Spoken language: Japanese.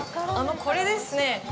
これですね。